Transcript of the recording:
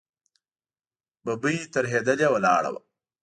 ببۍ ترهېدلې ولاړه وه.